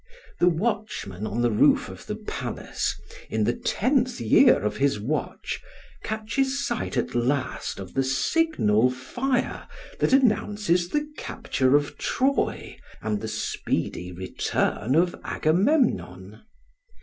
The watchman on the roof of the palace, in the tenth year of his watch, catches sight at last of the signal fire that announces the capture of Troy and the speedy return of Agamemnon.